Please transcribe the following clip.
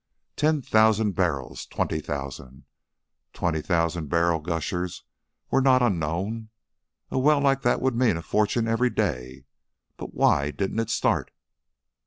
Ten thousand barrels! Twenty thousand! Twenty thousand barrel gushers were not unknown. A well like that would mean a fortune every day. But why didn't it start?